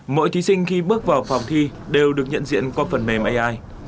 mỗi thí sinh khi bước vào phòng thi đều được nhận diện qua phần mềm ai